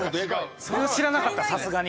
それは知らなかったさすがに。